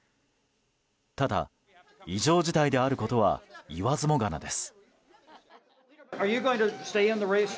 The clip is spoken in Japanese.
ただ、異常事態であることは言わずもがなです。